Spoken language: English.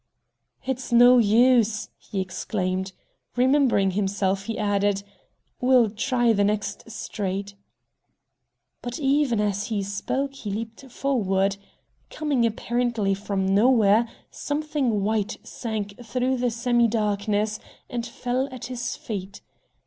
"It's no use!" he exclaimed. Remembering himself, he added: "We'll try the next street." But even as he spoke he leaped forward. Coming apparently from nowhere, something white sank through the semi darkness and fell at his feet.